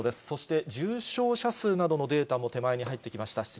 そして、重症者数などのデータも手前に入ってきました。